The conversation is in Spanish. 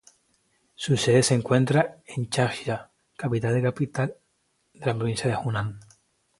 Su sede se encuentra en Changsha, capital de capital de la provincia de Hunan.